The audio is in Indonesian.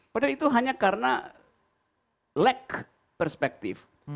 padahal itu hanya karena lag perspektif